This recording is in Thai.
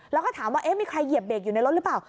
แล้วก็ถามว่ามีใครเหยียบเบรกอยู่ในรถหรือเปล่า